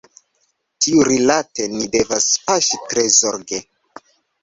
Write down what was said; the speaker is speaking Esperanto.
Tiurilate ni devas paŝi tre zorge.